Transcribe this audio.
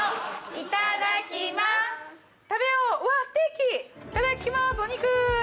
いただきますお肉！